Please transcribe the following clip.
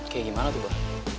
kayak gimana tuh pak